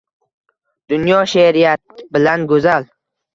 Dunyo she’riyat bilan go‘zal